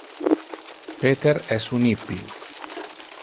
Peter es un hippy.